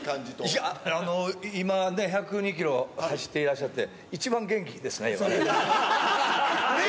いや、今ね、１０２キロ走っていらっしゃって、一番元気ですね、今ね。